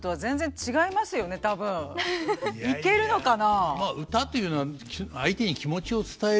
いけるのかな？